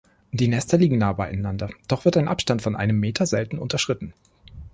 Die Nester liegen nah beieinander, doch wird ein Abstand von einem Meter selten unterschritten.